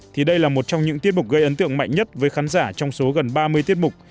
thì đây là một trong những tiết mục gây ấn tượng mạnh nhất với khán giả trong số gần ba mươi tiết mục